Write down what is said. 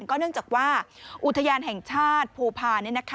ก็เนื่องจากว่าอุทยานแห่งชาติภูพา